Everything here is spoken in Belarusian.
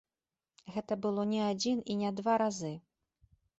Гэта было не адзін і не два разы.